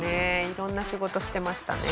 色んな仕事してましたね。